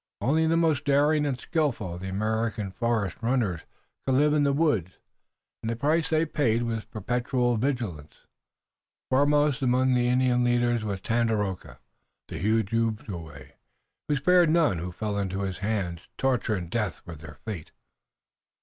Only the most daring and skillful of the American forest runners could live in the woods, and the price they paid was perpetual vigilance. Foremost among the Indian leaders was Tandakora, the huge Ojibway, and he spared none who fell into his hands. Torture and death were their fate.